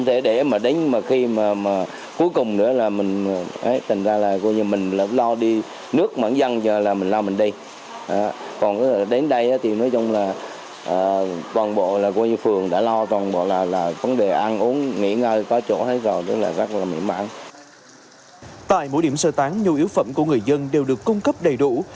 tại mỗi điểm sơ tán nhu yếu phẩm của người dân đều được cung cấp đầy đủ